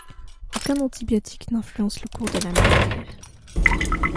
Aucun antibiotique n’influence le cours de la maladie.